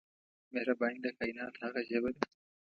مهرباني د کایناتو هغه ژبه ده